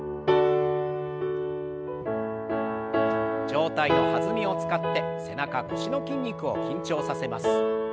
上体の弾みを使って背中腰の筋肉を緊張させます。